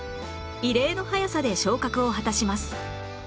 異例の速さで昇格を果たします